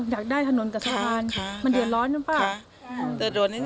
อยากได้ถนนกับสะพานมันเดี๋ยวร้อนใช่ป่าว